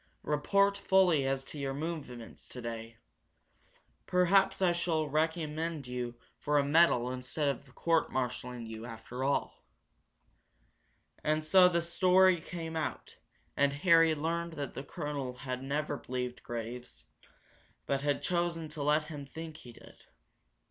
"Report fully as to your movements today. Perhaps I shall recommend you for a metal instead of court marshalling you, after all." And so the story came out, and Harry learned that the colonel had never believed Graves, but had chosen to let him think he did.